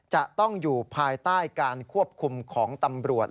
จะต้องอยู่ภายใต้การควบคุมของตำรวจ